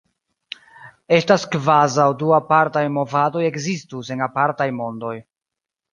Estas kvazaŭ du apartaj movadoj ekzistus en apartaj mondoj.